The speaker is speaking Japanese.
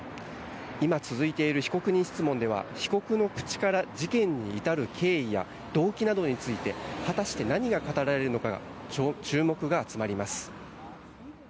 今続いている被告人質問では被告の口から事件に至る経緯や動機などについて果たして何が語られるのか注目が集まります。